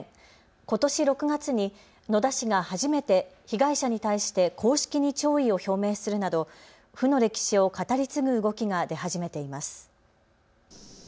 ことし６月に野田市が初めて被害者に対して公式に弔意を表明するなど負の歴史を語り継ぐ動きが出始めています。